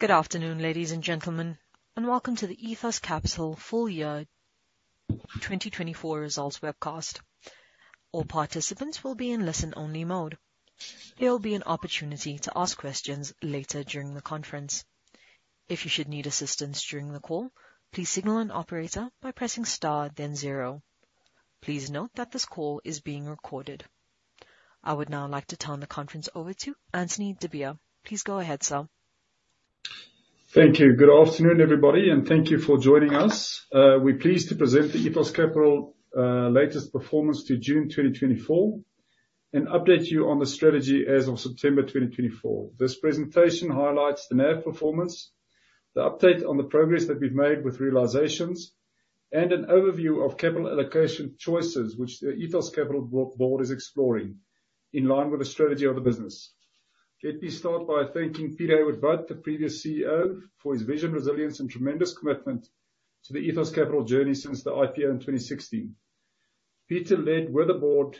Good afternoon, ladies and gentlemen, and welcome to the Ethos Capital full year 2024 results webcast. All participants will be in listen-only mode. There will be an opportunity to ask questions later during the conference. If you should need assistance during the call, please signal an operator by pressing star then zero. Please note that this call is being recorded. I would now like to turn the conference over to Anthonie de Beer. Please go ahead, sir. Thank you. Good afternoon, everybody, thank you for joining us. We're pleased to present the Ethos Capital latest performance to June 2024 and update you on the strategy as of September 2024. This presentation highlights the NAV performance, the update on the progress that we've made with realizations, and an overview of capital allocation choices which the Ethos Capital Board is exploring in line with the strategy of the business. Let me start by thanking Peter Hayward-Butt, the previous CEO, for his vision, resilience, and tremendous commitment to the Ethos Capital journey since the IPO in 2016. Peter led with the Board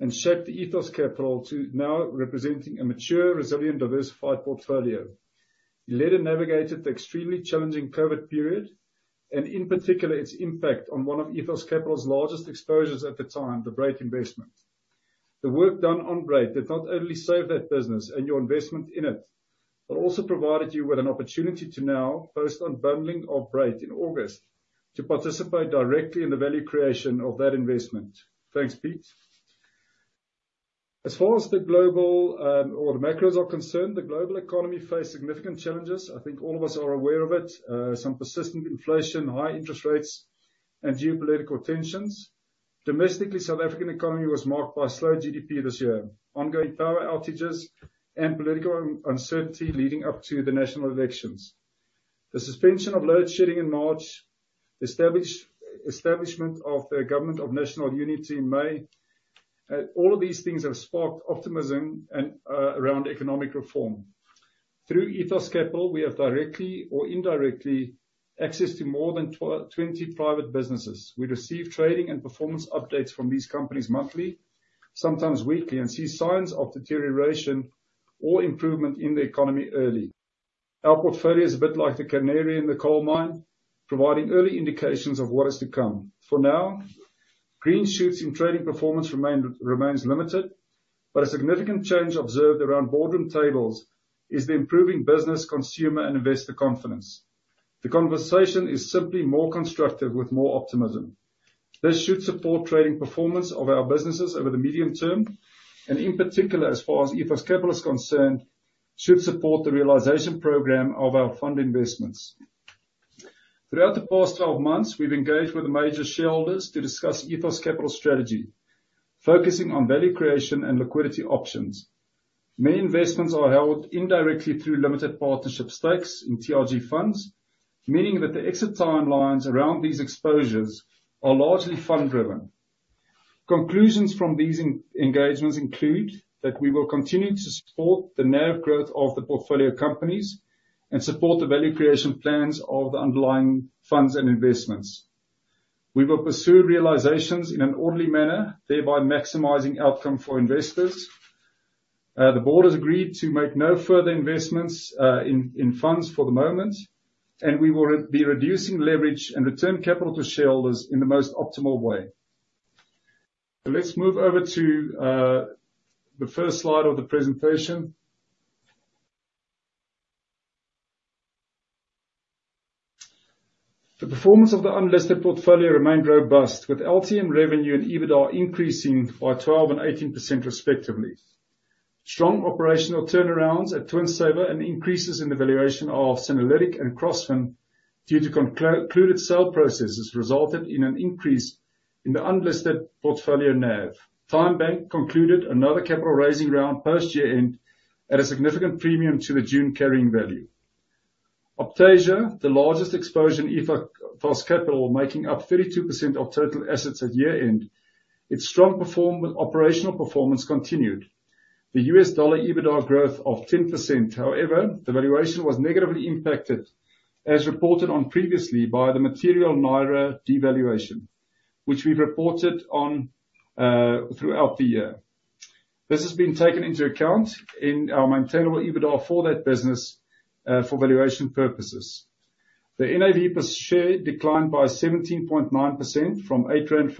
and shaped the Ethos Capital to now representing a mature, resilient, diversified portfolio. He led and navigated the extremely challenging COVID period, and in particular, its impact on one of Ethos Capital's largest exposures at the time, the Brait investment. The work done on Brait did not only save that business and your investment in it, also provided you with an opportunity to now post unbundling of Brait in August to participate directly in the value creation of that investment. Thanks, Pete. As far as the global or the macros are concerned, the global economy faced significant challenges. I think all of us are aware of it. Some persistent inflation, high interest rates, and geopolitical tensions. Domestically, South African economy was marked by slow GDP this year, ongoing power outages, and political uncertainty leading up to the national elections. The suspension of load shedding in March, establishment of the Government of National Unity in May. All of these things have sparked optimism around economic reform. Through Ethos Capital, we have directly or indirectly access to more than 20 private businesses. We receive trading and performance updates from these companies monthly, sometimes weekly, see signs of deterioration or improvement in the economy early. Our portfolio is a bit like the canary in the coal mine, providing early indications of what is to come. For now, green shoots in trading performance remains limited, a significant change observed around boardroom tables is the improving business consumer and investor confidence. The conversation is simply more constructive with more optimism. This should support trading performance of our businesses over the medium term, and in particular, as far as Ethos Capital is concerned, should support the realization program of our fund investments. Throughout the past 12 months, we've engaged with the major shareholders to discuss Ethos Capital strategy, focusing on value creation and liquidity options. Many investments are held indirectly through limited partnership stakes in TRG Funds, meaning that the exit timelines around these exposures are largely fund-driven. Conclusions from these engagements include that we will continue to support the NAV growth of the portfolio companies and support the value creation plans of the underlying funds and investments. We will pursue realizations in an orderly manner, thereby maximizing outcome for investors. The board has agreed to make no further investments in funds for the moment, and we will be reducing leverage and return capital to shareholders in the most optimal way. Let's move over to the first slide of the presentation. The performance of the unlisted portfolio remained robust with LTM revenue and EBITDA increasing by 12% and 18% respectively. Strong operational turnarounds at Twinsaver and increases in the valuation of Synerlytic and Crossfin due to concluded sale processes resulted in an increase in the unlisted portfolio NAV. TymeBank concluded another capital raising round post year-end at a significant premium to the June carrying value. Optasia, the largest exposure in Ethos Capital, making up 32% of total assets at year-end. Its strong operational performance continued. The US dollar EBITDA growth of 10%. However, the valuation was negatively impacted, as reported on previously by the material Naira devaluation, which we've reported on throughout the year. This has been taken into account in our maintainable EBITDA for that business for valuation purposes. The NAV per share declined by 17.9% from 8.56 rand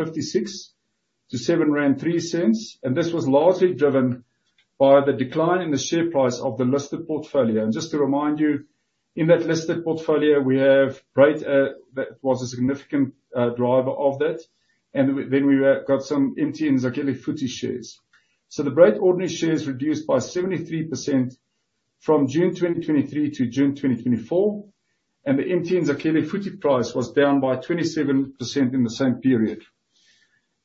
to 7.03 rand, and this was largely driven by the decline in the share price of the listed portfolio. Just to remind you, in that listed portfolio, we have Brait, that was a significant driver of that, and then we got some MTN Zakhele Futhi shares. The Brait ordinary shares reduced by 73% from June 2023 to June 2024, and the MTN Zakhele Futhi price was down by 27% in the same period.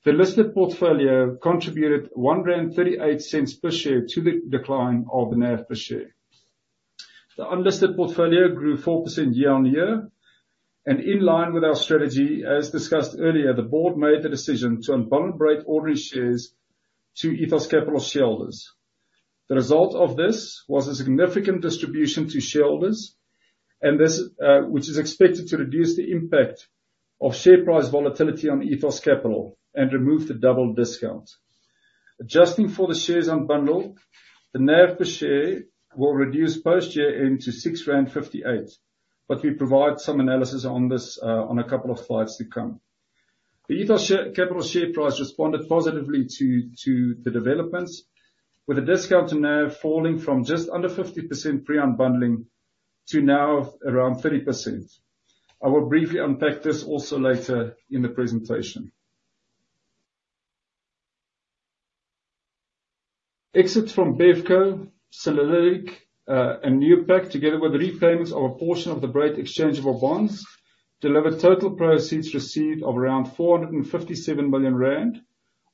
The listed portfolio contributed 1.38 per share to the decline of the NAV per share. The unlisted portfolio grew 4% year-on-year. In line with our strategy, as discussed earlier, the board made the decision to unbundle Brait ordinary shares to Ethos Capital shareholders. The result of this was a significant distribution to shareholders, which is expected to reduce the impact of share price volatility on Ethos Capital and remove the double discount. Adjusting for the shares unbundled, the NAV per share will reduce post year-end to 6.58. We provide some analysis on this on a couple of slides to come. The Ethos Capital share price responded positively to the developments, with a discount to NAV falling from just under 50% pre-unbundling to now around 30%. I will briefly unpack this also later in the presentation. Exits from BevCo, Synerlytic, and Neopak, together with repayments of a portion of the Brait Exchangeable Bonds, delivered total proceeds received of around 457 million rand,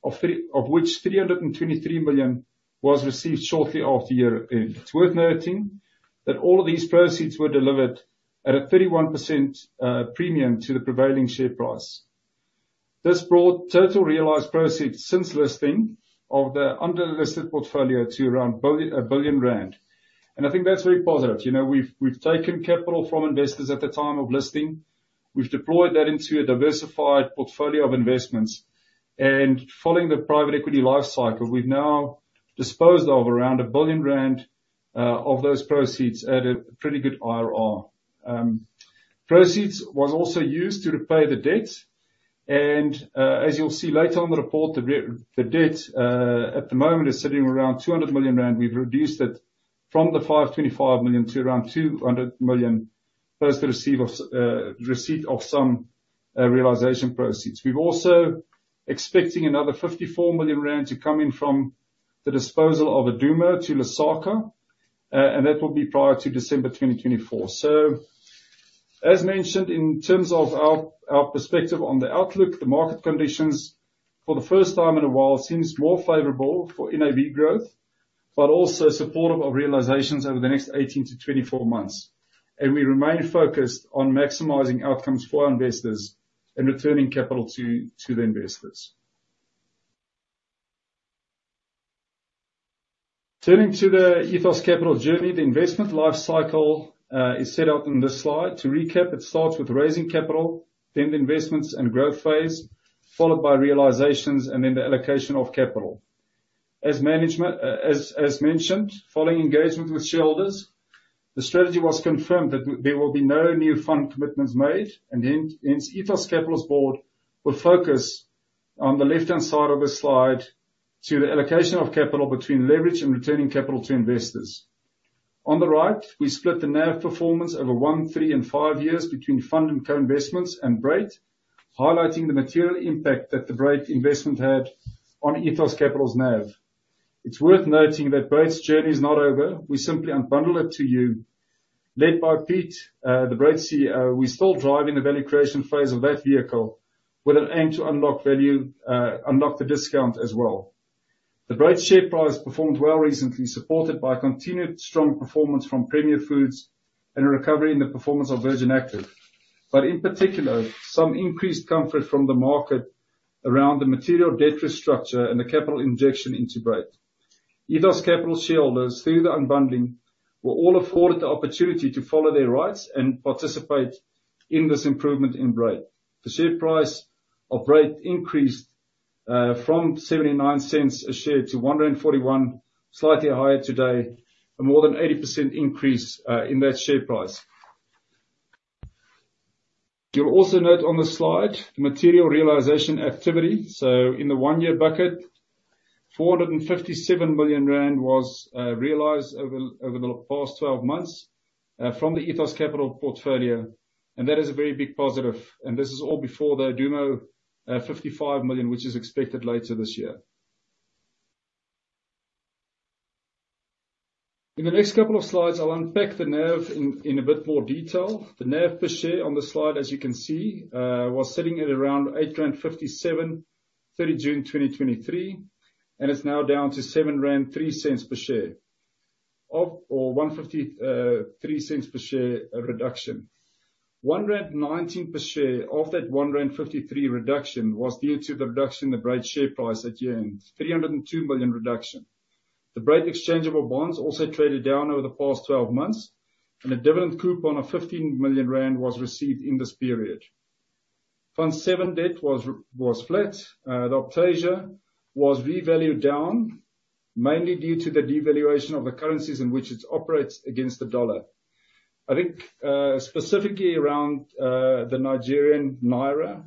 of which 323 million was received shortly after year-end. It's worth noting that all of these proceeds were delivered at a 31% premium to the prevailing share price. This brought total realized proceeds since listing of the under-listed portfolio to around 1 billion rand. I think that's very positive. We've taken capital from investors at the time of listing. We've deployed that into a diversified portfolio of investments. Following the private equity life cycle, we've now disposed of around 1 billion rand of those proceeds at a pretty good IRR. Proceeds was also used to repay the debt. As you'll see later on in the report, the debt at the moment is sitting around 200 million rand. We've reduced it from 525 million to around 200 million post the receipt of some realization proceeds. We're also expecting another 54 million rand to come in from the disposal of Adumo to Lesaka, and that will be prior to December 2024. As mentioned, in terms of our perspective on the outlook, the market conditions for the first time in a while seems more favorable for NAV growth, but also supportive of realizations over the next 18 to 24 months. We remain focused on maximizing outcomes for our investors and returning capital to the investors. Turning to the Ethos Capital journey, the investment life cycle is set out in this slide. To recap, it starts with raising capital, then the investments and growth phase, followed by realizations, and then the allocation of capital. As mentioned, following engagement with shareholders, the strategy was confirmed that there will be no new fund commitments made, and hence Ethos Capital's board will focus on the left-hand side of this slide to the allocation of capital between leverage and returning capital to investors. On the right, we split the NAV performance over one, three, and five years between fund and co-investments and Brait, highlighting the material impact that the Brait investment had on Ethos Capital's NAV. It's worth noting that Brait's journey is not over. We simply unbundle it to you. Led by Pete, the Brait CEO, we're still driving the value creation phase of that vehicle with an aim to unlock the discount as well. The Brait share price performed well recently, supported by continued strong performance from Premier FMCG and a recovery in the performance of Virgin Active. In particular, some increased comfort from the market around the material debt restructure and the capital injection into Brait. Ethos Capital shareholders, through the unbundling, were all afforded the opportunity to follow their rights and participate in this improvement in Brait. The share price of Brait increased from 0.79 a share to 1.41, slightly higher today, a more than 80% increase in that share price. You'll also note on the slide the material realization activity. In the one-year bucket, 457 million rand was realized over the past 12 months from the Ethos Capital portfolio, that is a very big positive. This is all before the Adumo 55 million, which is expected later this year. In the next couple of slides, I'll unpack the NAV in a bit more detail. The NAV per share on the slide, as you can see, was sitting at around 8.57 rand, 30 June 2023, and it's now down to 7.03 rand per share or 1.53 per share reduction. 1.19 rand per share of that 1.53 rand reduction was due to the reduction in the Brait share price at year-end, 302 million reduction. The Brait Exchangeable Bonds also traded down over the past 12 months, and a dividend coupon of 15 million rand was received in this period. Fund VII debt was flat. Optasia was revalued down, mainly due to the devaluation of the currencies in which it operates against the USD. Specifically around the Naira,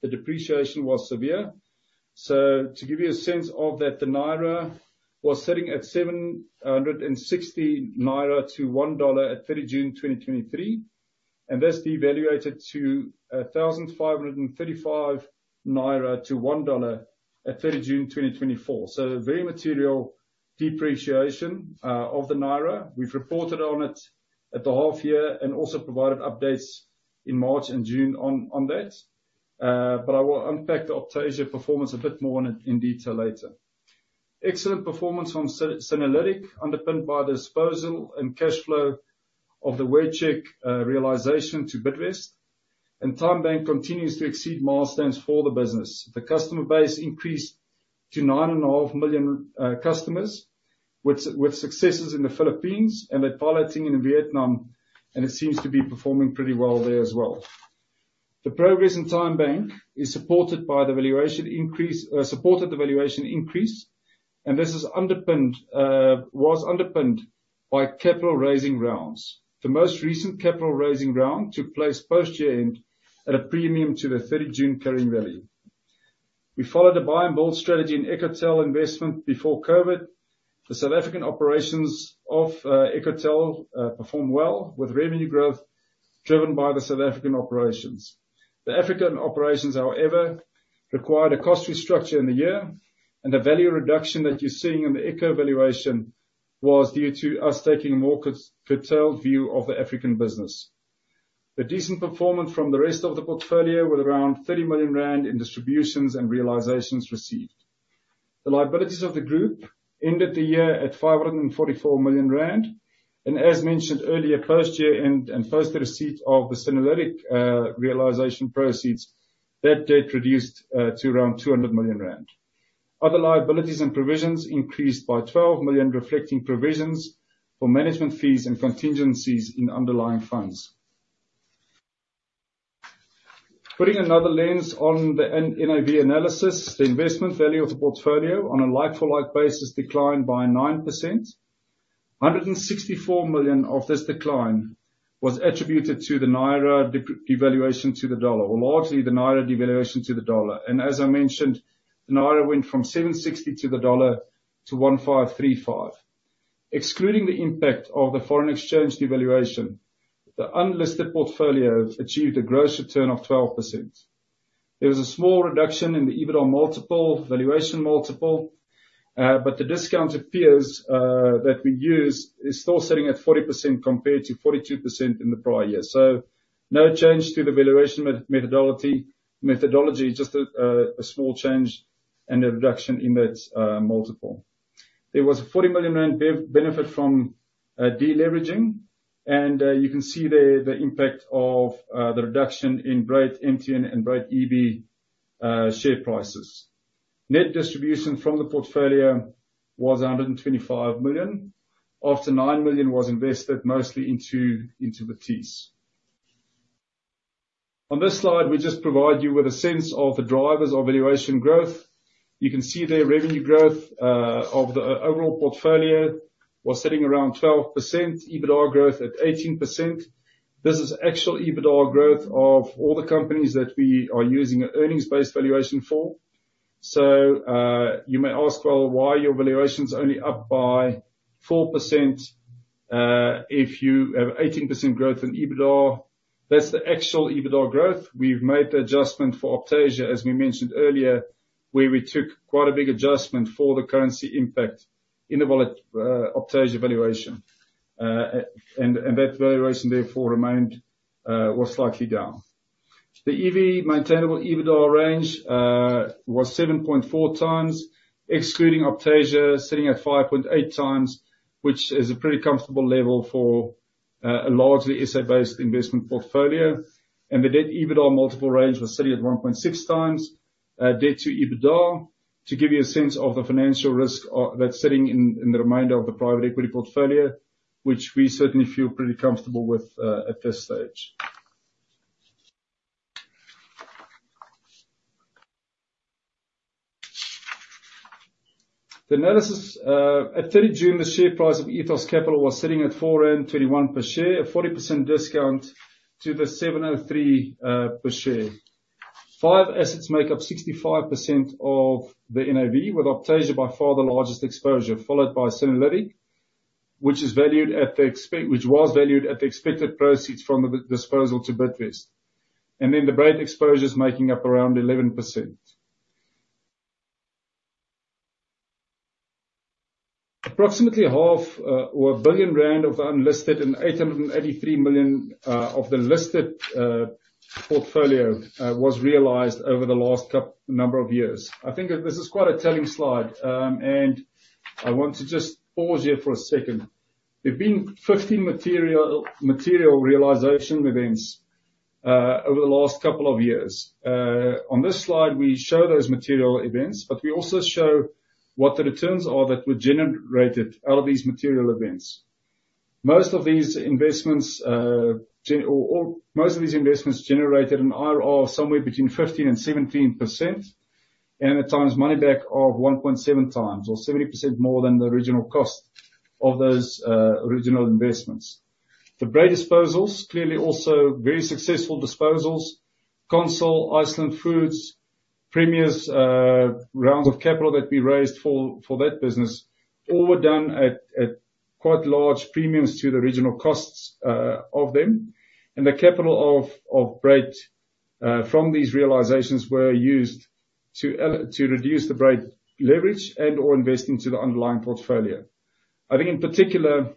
the depreciation was severe. To give you a sense of that, the Naira was sitting at Naira 760 to $1 at 30 June 2023, and that's devaluated to Naira 1,535 to $1 at 30 June 2024. A very material depreciation of the Naira. We've reported on it at the half year and also provided updates in March and June on that. I will unpack the Optasia performance a bit more in detail later. Excellent performance from Synerlytic, underpinned by the disposal and cash flow of the WearCheck realization to Bidvest. TymeBank continues to exceed milestones for the business. The customer base increased to nine and a half million customers, with successes in the Philippines and they're piloting in Vietnam, it seems to be performing pretty well there as well. The progress in TymeBank is supported by the valuation increase, this was underpinned by capital raising rounds. The most recent capital raising round took place post year-end at a premium to the 30 June carrying value. We followed the buy and build strategy in Ecotel investment before COVID. The South African operations of Ecotel performed well, with revenue growth driven by the South African operations. The African operations, however, required a cost restructure in the year, the value reduction that you're seeing in the Ecotel valuation was due to us taking a more curtailed view of the African business. A decent performance from the rest of the portfolio, with around 30 million rand in distributions and realizations received. The liabilities of the group ended the year at 544 million rand. As mentioned earlier, post year-end and post the receipt of the Synerlytic realization proceeds, that debt reduced to around 200 million rand. Other liabilities and provisions increased by 12 million, reflecting provisions for management fees and contingencies in underlying funds. Putting another lens on the NAV analysis, the investment value of the portfolio on a like-for-like basis declined by 9%. 164 million of this decline was attributed to the Naira devaluation to the USD, or largely the Naira devaluation to the USD. As I mentioned, the Naira went from Naira 760 to the USD to Naira 1,535. Excluding the impact of the foreign exchange devaluation, the unlisted portfolio achieved a gross return of 12%. There was a small reduction in the EBITDA multiple, valuation multiple, the discount it bears that we use is still sitting at 40% compared to 42% in the prior year. No change to the valuation methodology, just a small change and a reduction in that multiple. There was a 40 million rand benefit from de-leveraging, you can see there the impact of the reduction in Brait, MTN, and Brait EB share prices. Net distribution from the portfolio was 125 million, after 9 million was invested mostly into the TEIS. On this slide, we just provide you with a sense of the drivers of valuation growth. You can see there revenue growth of the overall portfolio was sitting around 12%, EBITDA growth at 18%. This is actual EBITDA growth of all the companies that we are using an earnings-based valuation for. You may ask, "Well, why are your valuations only up by 4% if you have 18% growth in EBITDA?" That is the actual EBITDA growth. We have made the adjustment for Optasia, as we mentioned earlier, where we took quite a big adjustment for the currency impact in the Optasia valuation. That valuation therefore remained or slightly down. The EBE maintainable EBITDA range was 7.4x, excluding Optasia, sitting at 5.8x, which is a pretty comfortable level for a largely asset-based investment portfolio. The debt EBITDA multiple range was sitting at 1.6x debt to EBITDA to give you a sense of the financial risk that is sitting in the remainder of the private equity portfolio, which we certainly feel pretty comfortable with at this stage. At 30 June, the share price of Ethos Capital was sitting at 4.21 rand per share, a 40% discount to the 7.03 per share. Five assets make up 65% of the NAV, with Optasia by far the largest exposure, followed by Synerlytic, which was valued at the expected proceeds from the disposal to Bidvest. The Brait exposure is making up around 11%. Approximately half or 1 billion rand of the unlisted and 883 million of the listed portfolio was realized over the last number of years. I think this is quite a telling slide, and I want to just pause here for a second. There have been 15 material realization events over the last couple of years. On this slide, we show those material events, but we also show what the returns are that were generated out of these material events. Most of these investments generated an IRR somewhere between 15% and 17%, and at times money back of 1.7x or 70% more than the original cost of those original investments. The Brait disposals, clearly also very successful disposals. Consol, Iceland Foods, Premier's rounds of capital that we raised for that business, all were done at quite large premiums to the original costs of them. The capital of Brait from these realizations were used to reduce the Brait leverage and/or invest into the underlying portfolio. I think in particular,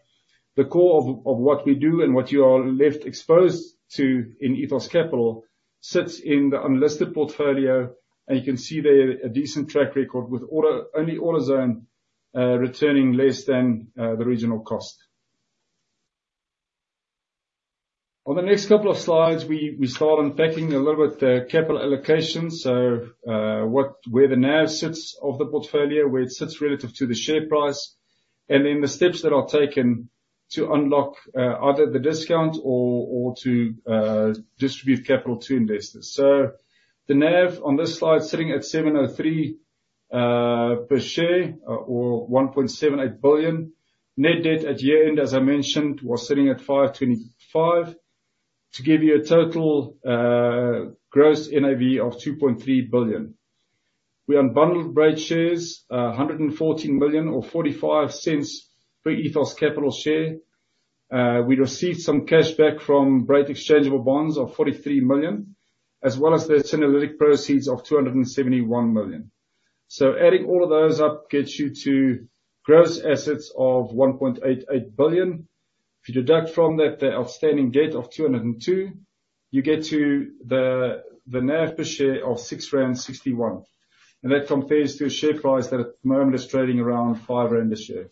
the core of what we do and what you are left exposed to in Ethos Capital sits in the unlisted portfolio, and you can see there a decent track record with only Autozone returning less than the original cost. On the next couple of slides, we start unpacking a little bit the capital allocation. Where the NAV sits of the portfolio, where it sits relative to the share price. The steps that are taken to unlock either the discount or to distribute capital to investors. The NAV on this slide sitting at 7.03 per share or 1.78 billion. Net debt at year-end, as I mentioned, was sitting at 525 million to give you a total gross NAV of 2.3 billion. We unbundled Brait shares, 114 million or 0.45 per Ethos Capital share. We received some cash back from Brait Exchangeable Bonds of 43 million, as well as the Synerlytic proceeds of 271 million. Adding all of those up gets you to gross assets of 1.88 billion. If you deduct from that the outstanding debt of 202 million, you get to the NAV per share of 6.61 rand. That compares to a share price that at the moment is trading around 5 rand a share.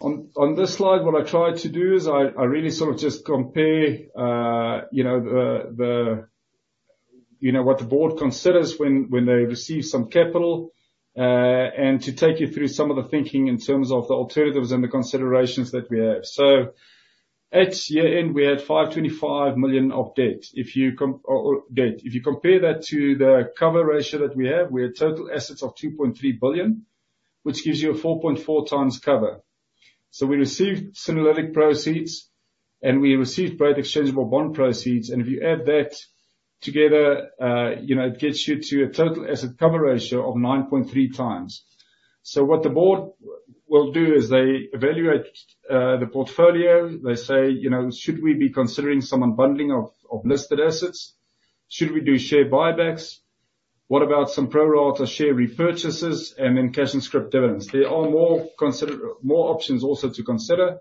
On this slide, what I tried to do is I really just compare what the board considers when they receive some capital, and to take you through some of the thinking in terms of the alternatives and the considerations that we have. At year-end, we had 525 million of debt. If you compare that to the cover ratio that we have, we had total assets of 2.3 billion, which gives you a 4.4 times cover. We received Synerlytic proceeds, and we received Brait Exchangeable Bonds proceeds, and if you add that together, it gets you to a total asset cover ratio of 9.3 times. What the board will do is they evaluate the portfolio. They say, "Should we be considering some unbundling of listed assets? Should we do share buybacks? What about some pro rata share repurchases and then cash and scrip dividends?" There are more options also to consider,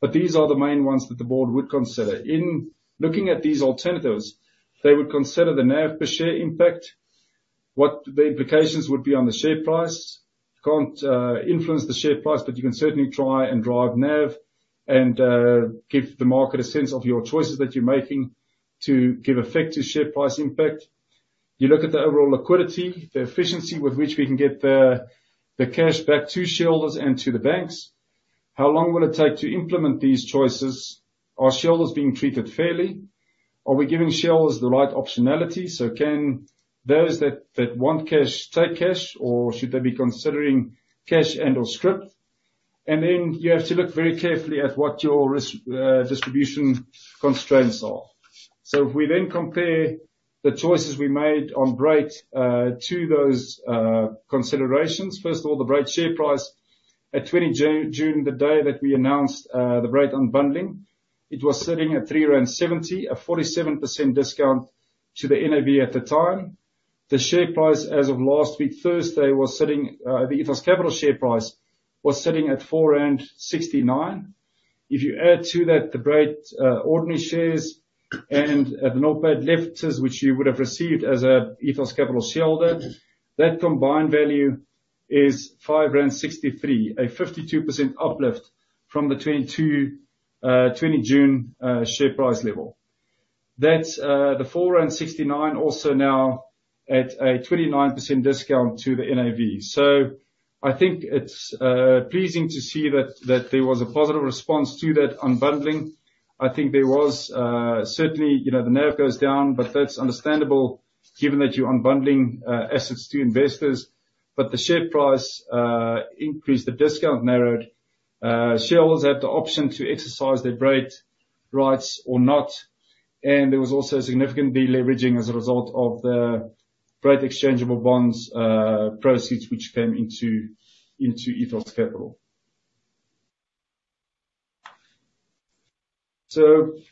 but these are the main ones that the board would consider. In looking at these alternatives, they would consider the NAV per share impact, what the implications would be on the share price. We can't influence the share price, but you can certainly try and drive NAV and give the market a sense of your choices that you're making to give effect to share price impact. You look at the overall liquidity, the efficiency with which we can get the cash back to shareholders and to the banks. How long will it take to implement these choices? Are shareholders being treated fairly? Are we giving shareholders the right optionality? Can those that want cash take cash, or should they be considering cash and/or scrip? You have to look very carefully at what your risk distribution constraints are. If we then compare the choices we made on Brait to those considerations, first of all, the Brait share price at 20 June, the day that we announced the Brait unbundling, it was sitting at 3.70, a 47% discount to the NAV at the time. The share price as of last week Thursday, the Ethos Capital share price, was sitting at 4.69. If you add to that the Brait ordinary shares and the BEE upliftment shares, which you would have received as an Ethos Capital shareholder, that combined value is 5.63 rand, a 52% uplift from the 20 June share price level. That's the 4.69 also now at a 29% discount to the NAV. I think it's pleasing to see that there was a positive response to that unbundling. I think there was certainly, the NAV goes down, but that's understandable given that you're unbundling assets to investors. The share price increased, the discount narrowed. Shareholders had the option to exercise their Brait rights or not, and there was also a significant de-leveraging as a result of the Brait Exchangeable Bonds proceeds, which came into Ethos Capital.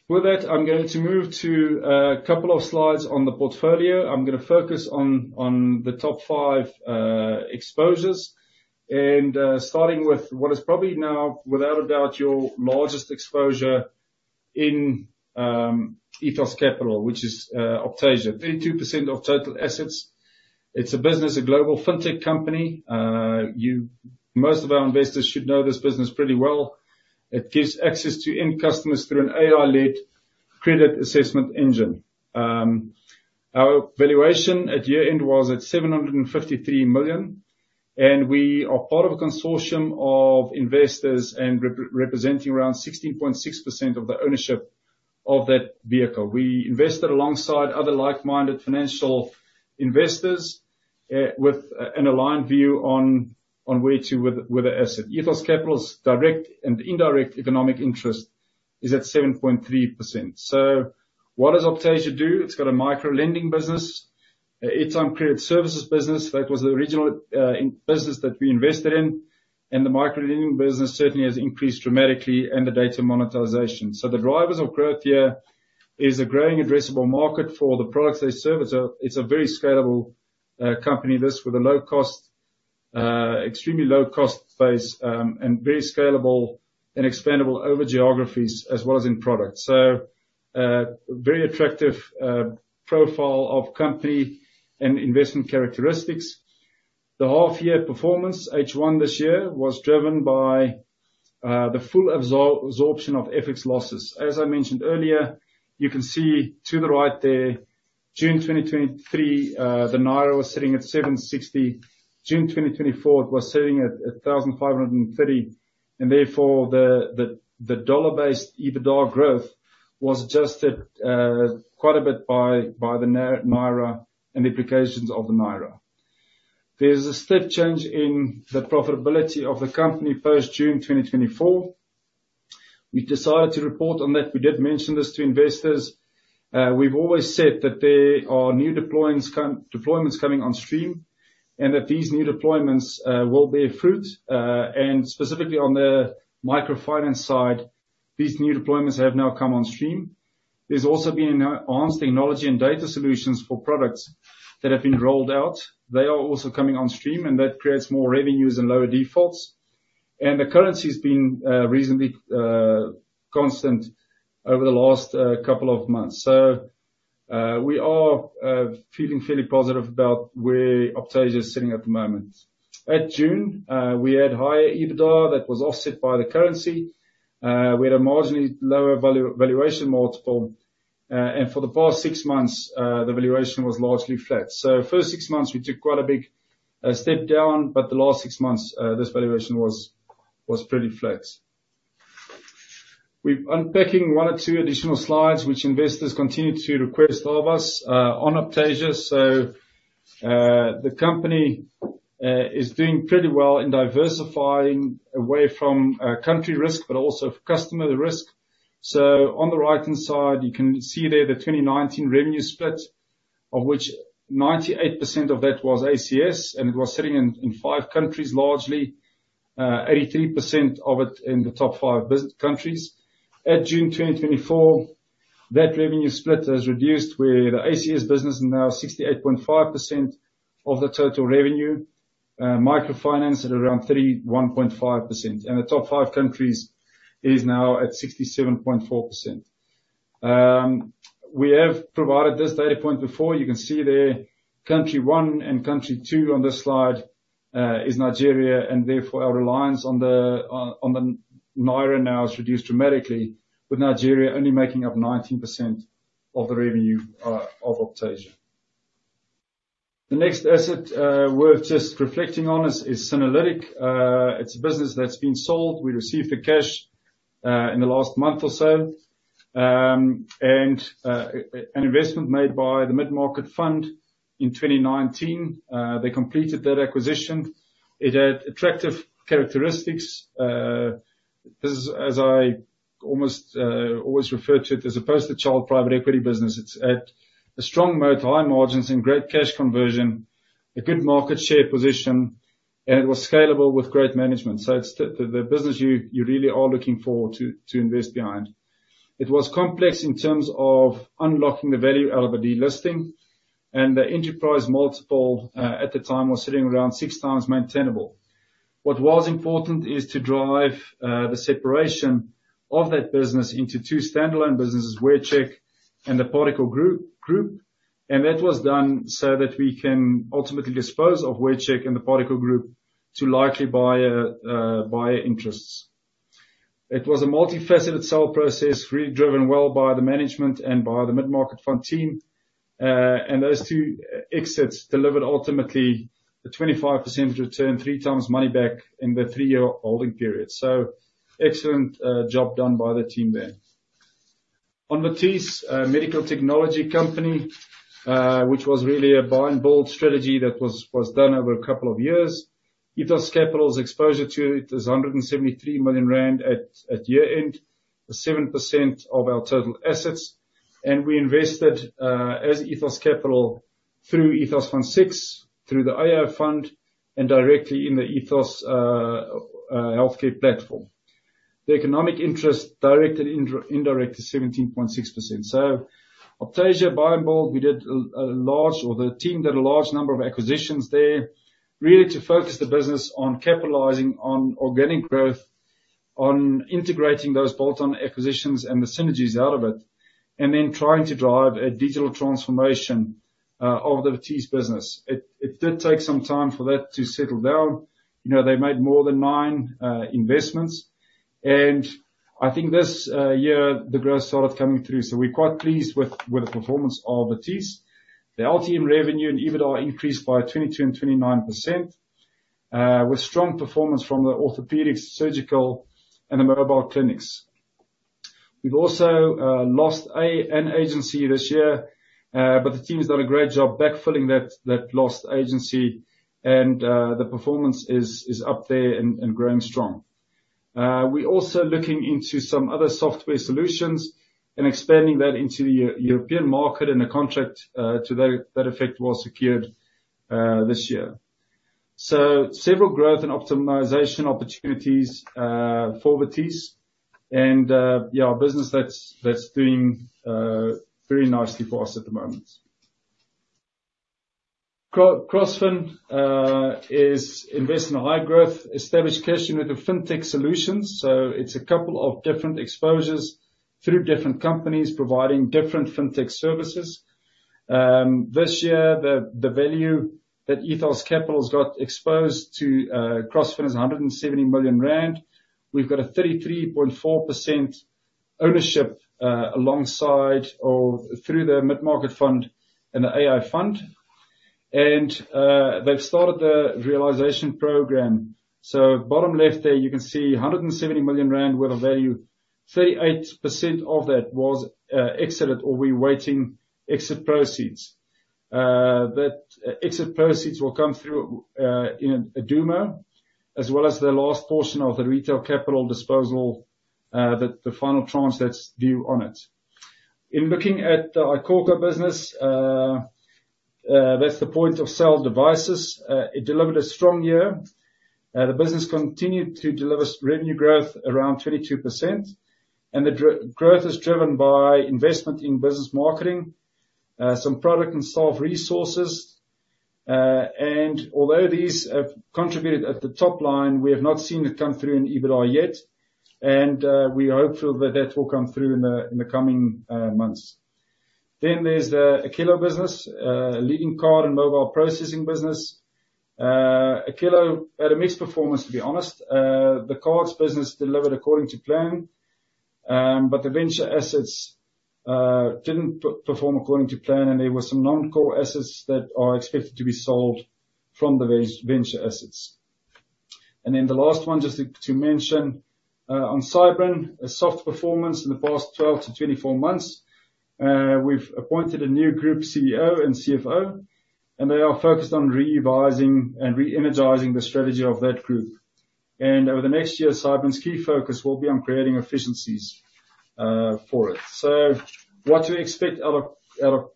With that, I'm going to move to a couple of slides on the portfolio. I'm going to focus on the top five exposures, and starting with what is probably now, without a doubt, your largest exposure in Ethos Capital, which is Optasia, 32% of total assets. It's a business, a global fintech company. Most of our investors should know this business pretty well. It gives access to end customers through an AI-led credit assessment engine. Our valuation at year-end was at 753 million, we are part of a consortium of investors representing around 16.6% of the ownership of that vehicle. We invested alongside other like-minded financial investors, with an aligned view on where to with the asset. Ethos Capital’s direct and indirect economic interest is at 7.3%. What does Optasia do? It has a micro-lending business. Its own credit services business, that was the original business that we invested in, the micro-lending business certainly has increased dramatically and the data monetization. The drivers of growth here is a growing addressable market for the products they serve. It is a very scalable company, this with extremely low cost base, very scalable and expandable over geographies as well as in product. Very attractive profile of company and investment characteristics. The half year performance, H1 this year, was driven by the full absorption of FX losses. As I mentioned earlier, you can see to the right there, June 2023, the Naira was sitting at Naira 760. June 2024, it was sitting at Naira 1,530, therefore the dollar-based EBITDA growth was adjusted quite a bit by the Naira and implications of the Naira. There is a step change in the profitability of the company post June 2024. We decided to report on that. We did mention this to investors. We have always said that there are new deployments coming on stream, these new deployments will bear fruit. Specifically on the microfinance side, these new deployments have now come on stream. There has also been enhanced technology and data solutions for products that have been rolled out. They are also coming on stream, that creates more revenues and lower defaults. The currency has been reasonably constant over the last couple of months. We are feeling fairly positive about where Optasia is sitting at the moment. At June, we had higher EBITDA that was offset by the currency. We had a marginally lower valuation multiple. For the past six months, the valuation was largely flat. First six months, we took quite a big step down, the last six months, this valuation was pretty flat. We are unpacking one or two additional slides, which investors continue to request of us, on Optasia. The company is doing pretty well in diversifying away from country risk, also customer risk. On the right-hand side, you can see there the 2019 revenue split, of which 98% of that was ACS, it was sitting in five countries largely, 83% of it in the top five countries. At June 2024, that revenue split has reduced where the ACS business is now 68.5% of the total revenue. Microfinance at around 31.5%. The top five countries is now at 67.4%. We have provided this data point before. You can see there country one and country two on this slide is Nigeria, therefore our reliance on the Naira now is reduced dramatically with Nigeria only making up 19% of the revenue of Optasia. The next asset worth just reflecting on is Synerlytic. It is a business that has been sold. We received the cash in the last month or so. An investment made by the Mid Market Fund in 2019. They completed that acquisition. It had attractive characteristics. This is as I almost always refer to it as opposed to child private equity business. It is at a strong moat, high margins and great cash conversion, a good market share position, it was scalable with great management. It is the business you really are looking forward to invest behind. It was complex in terms of unlocking the value out of a delisting, the enterprise multiple, at the time, was sitting around 6 times maintainable. What was important is to drive the separation of that business into two standalone businesses, WearCheck and the Portico group. That was done so that we can ultimately dispose off WearCheck and the Portico group to likely buyer interests. It was a multifaceted sale process, really driven well by the management and by the Mid Market Fund team. Those two exits delivered ultimately a 25% return, 3 times money back in the 3-year holding period. Excellent job done by the team there. On Batis, a medical technology company, which was really a buy and build strategy that was done over a couple of years. Ethos Capital's exposure to it is 173 million rand at year-end, 7% of our total assets. We invested, as Ethos Capital, through Ethos Fund VI, through the AI Fund, and directly in the Ethos Healthcare Platform. The economic interest direct and indirect is 17.6%. Optasia buy and build, the team did a large number of acquisitions there, really to focus the business on capitalizing on organic growth, on integrating those bolt-on acquisitions and the synergies out of it, then trying to drive a digital transformation of the Batis business. It did take some time for that to settle down. They made more than nine investments, I think this year the growth started coming through. We are quite pleased with the performance of Batis. The LTM revenue and EBITDA increased by 22% and 29%, with strong performance from the orthopedics, surgical, and the mobile clinics. We've also lost an agency this year, the team's done a great job backfilling that lost agency and the performance is up there and growing strong. We're also looking into some other software solutions and expanding that into the European market, a contract to that effect was secured this year. Several growth and optimization opportunities for Batis and a business that's doing very nicely for us at the moment. Crossfin invests in high growth, established cash in with the Fintech solutions. It is a couple of different exposures through different companies providing different Fintech services. This year, the value that Ethos Capital's got exposed to Crossfin is 170 million rand. We've got a 33.4% ownership through the Mid Market Fund and the AI Fund. They've started the realization program. Bottom left there, you can see 170 million rand worth of value, 38% of that was exited or we're waiting exit proceeds. That exit proceeds will come through in Adumo, as well as the last portion of the Retail Capital disposal, the final tranche that's due on it. In looking at the iKhokha business, that is the point-of-sale devices. It delivered a strong year. The business continued to deliver revenue growth around 22%, the growth is driven by investment in business marketing, some product and staff resources. Although these have contributed at the top line, we have not seen it come through in EBITDA yet. We are hopeful that will come through in the coming months. There is the Okello business, a leading card and mobile processing business. Okello had a mixed performance, to be honest. The cards business delivered according to plan, the venture assets did not perform according to plan, there were some non-core assets that are expected to be sold from the venture assets. The last one, just to mention, on Cybrin, a soft performance in the past 12 to 24 months. We've appointed a new group CEO and CFO, they are focused on revising and re-energizing the strategy of that group. Over the next year, Cybrin's key focus will be on creating efficiencies for it. What do we expect out of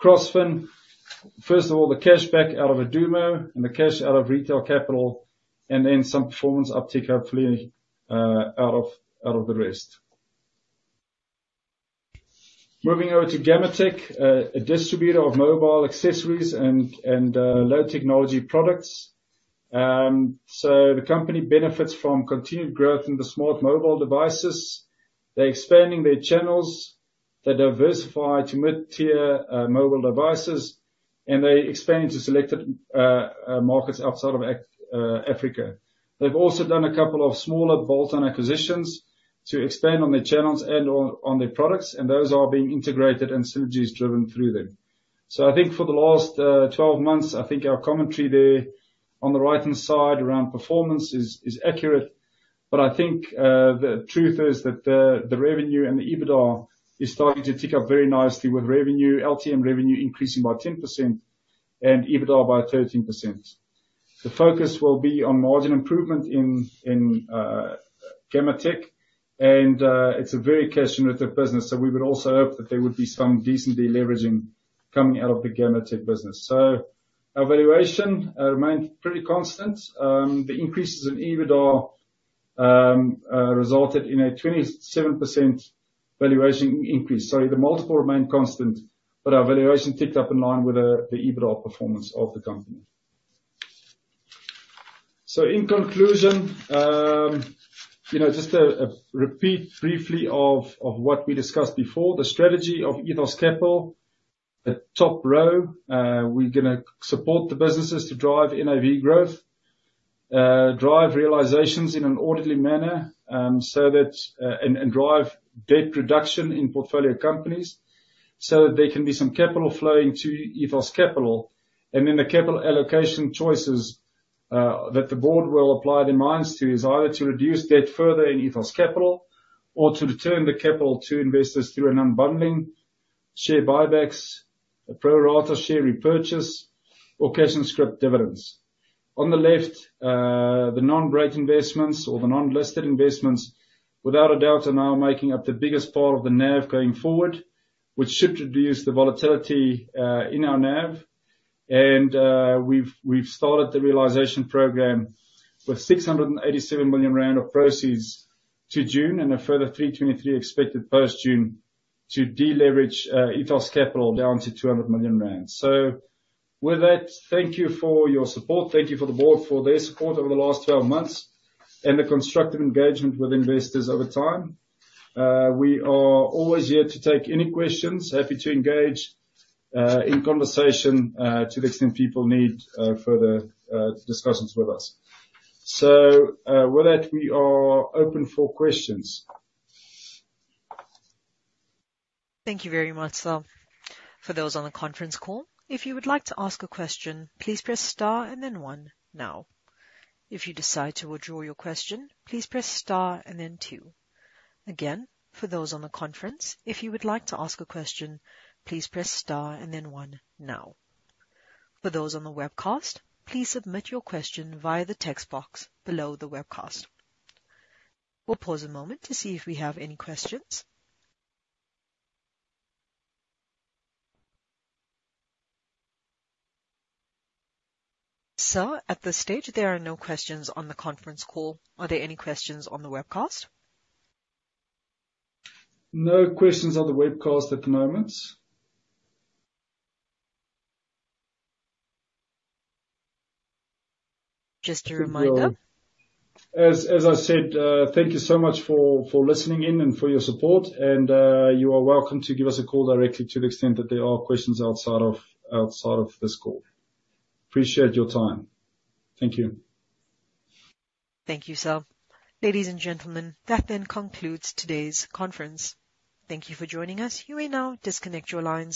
Crossfin? First of all, the cash back out of Adumo and the cash out of Retail Capital, some performance uptick, hopefully, out of the rest. Moving over to Gammatek, a distributor of mobile accessories and low technology products. The company benefits from continued growth in the smart mobile devices. They're expanding their channels. They diversify to mid-tier mobile devices, they expand into selected markets outside of Africa. They've also done a couple of smaller bolt-on acquisitions to expand on their channels and on their products, those are being integrated and synergies driven through them. I think for the last 12 months, I think our commentary there on the right-hand side around performance is accurate. I think the truth is that the revenue and the EBITDA is starting to tick up very nicely with LTM revenue increasing by 10% and EBITDA by 13%. The focus will be on margin improvement in Gammatek, it's a very cash generative business, we would also hope that there would be some decent deleveraging coming out of the Gammatek business. Our valuation remained pretty constant. The increases in EBITDA resulted in a 27% valuation increase. Sorry, the multiple remained constant, our valuation ticked up in line with the EBITDA performance of the company. In conclusion, just a repeat briefly of what we discussed before, the strategy of Ethos Capital. The top row, we're gonna support the businesses to drive NAV growth, drive realizations in an orderly manner, drive debt reduction in portfolio companies so that there can be some capital flow into Ethos Capital. The capital allocation choices that the board will apply their minds to is either to reduce debt further in Ethos Capital or to return the capital to investors through an unbundling, share buybacks, a pro rata share repurchase, or cash and scrip dividends. On the left, the non-rate investments or the non-listed investments, without a doubt, are now making up the biggest part of the NAV going forward, which should reduce the volatility in our NAV. We've started the realization program with 687 million rand of proceeds to June and a further 323 expected post-June to deleverage Ethos Capital down to 200 million rand. With that, thank you for your support. Thank you for the board for their support over the last 12 months and the constructive engagement with investors over time. We are always here to take any questions, happy to engage in conversation to the extent people need further discussions with us. With that, we are open for questions. Thank you very much, sir. For those on the conference call, if you would like to ask a question, please press star and then one now. If you decide to withdraw your question, please press star and then two. Again, for those on the conference, if you would like to ask a question, please press star and then one now. For those on the webcast, please submit your question via the text box below the webcast. We will pause a moment to see if we have any questions. Sir, at this stage, there are no questions on the conference call. Are there any questions on the webcast? No questions on the webcast at the moment. Just a reminder. As I said, thank you so much for listening in and for your support. You are welcome to give us a call directly to the extent that there are questions outside of this call. Appreciate your time. Thank you. Thank you, Sal. Ladies and gentlemen, that then concludes today's conference. Thank you for joining us. You may now disconnect your lines.